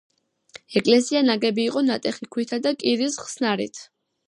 ეკლესია ნაგები იყო ნატეხი ქვითა და კირის ხსნარით.